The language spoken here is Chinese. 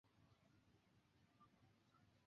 盐生棘豆为豆科棘豆属下的一个种。